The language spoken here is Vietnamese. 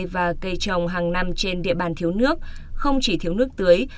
và cây trồng hàng năm trên địa bàn thiếu nước không chỉ thiếu nước tưới